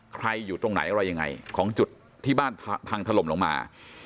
อยู่ตรงไหนอะไรยังไงของจุดที่บ้านพังถล่มลงมา